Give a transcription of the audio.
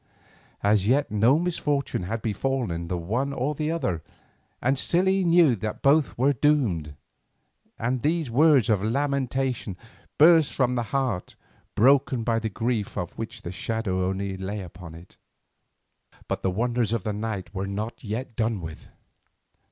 As yet no misfortune had befallen the one or the other, and still he knew that both were doomed, and these words of lamentation burst from a heart broken by a grief of which the shadow only lay upon it. But the wonders of that night were not yet done with.